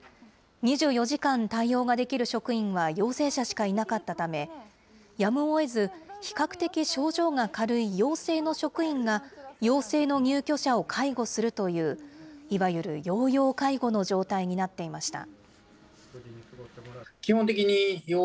２４時間対応ができる職員は陽性者しかいなかったため、やむをえず比較的症状が軽い陽性の職員が陽性の入居者を介護するという、いわゆる陽陽介護の状態になっていました。